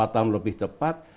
empat tahun lebih cepat